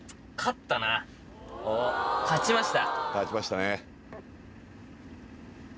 勝ちました。